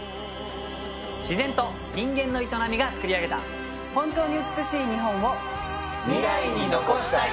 自然と人間の営みがつくり上げた本当に美しい日本を未来に残したい！